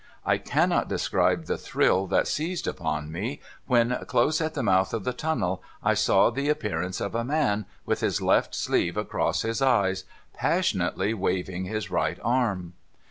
I cannot describe the thrill that seized upon me, when, close at the mouth of the tunnel, I saw the appearance of a man, with his left sleeve across his eyes, passionately waving his right arm.